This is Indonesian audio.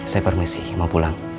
saya permisi mau pulang